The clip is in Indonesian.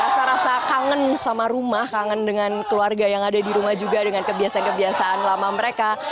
saya rasa kangen sama rumah kangen dengan keluarga yang ada di rumah juga dengan kebiasaan kebiasaan lama mereka